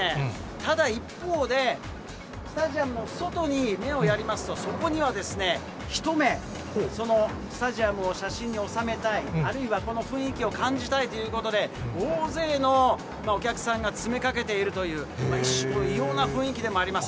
ただ一方で、スタジアムの外に目をやりますと、そこには一目スタジアムを写真に収めたい、あるいはこの雰囲気を感じたいということで、大勢のお客さんが詰めかけているという、一種、異様な雰囲気でもあります。